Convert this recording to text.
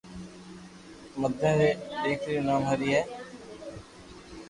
مدن ري دآڪرا نوم ھري ھي